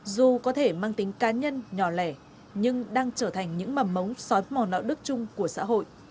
dù có thể mang tính cá nhân nhỏ lẻ nhưng đang trở thành những mầm mống xói mò nạo đức chung của xã hội